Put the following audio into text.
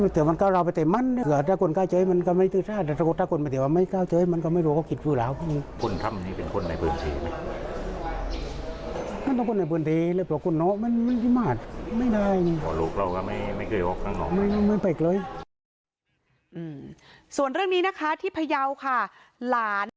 ส่วนเรื่องนี้นะคะที่พยาวค่ะหลาน